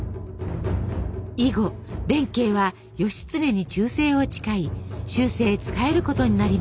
以後弁慶は義経に忠誠を誓い終生仕えることになりました。